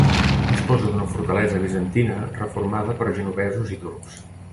Disposa d'una fortalesa bizantina reformada per genovesos i turcs.